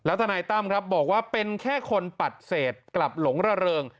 ทนายตั้มครับบอกว่าเป็นแค่คนปัดเศษกลับหลงระเริง